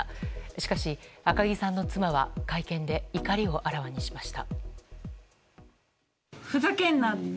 しかし、赤木さんの妻は会見で怒りをあらわにしました。